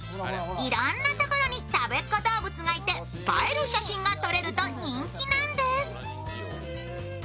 いろんなところにたべっ子どうぶつがいて、映える写真が撮れると人気なんです。